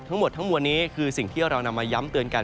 ทั้งหมดทั้งมวลนี้คือสิ่งที่เรานำมาย้ำเตือนกัน